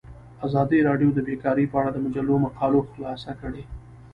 ازادي راډیو د بیکاري په اړه د مجلو مقالو خلاصه کړې.